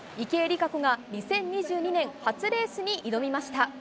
池江璃花子が２０２２年初レースに挑みました。